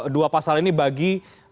dua pasal ini bagi